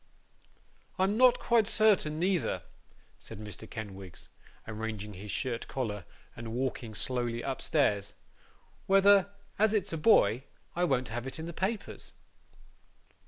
'I'm not quite certain neither,' said Mr. Kenwigs, arranging his shirt collar, and walking slowly upstairs, 'whether, as it's a boy, I won't have it in the papers.